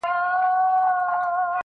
حرام كړى يې وو خوب د ماشومانو